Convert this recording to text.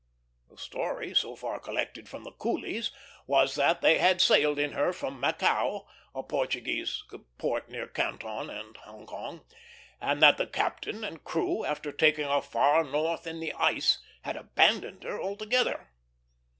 The story so far collected from the coolies was that they had sailed in her from Macao, a Portuguese port near Canton and Hong Kong, and that the captain and crew, after taking her far north in the ice, had abandoned her altogether.